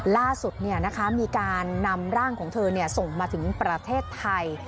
ล่าสุดมีการนำร่างของเธอส่งมาถึงประเทศไทย